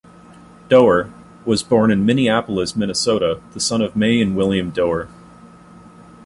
Doar was born in Minneapolis, Minnesota, the son of Mae and William Doar.